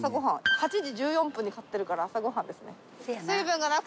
８時１４分に買ってるから朝ご飯ですね。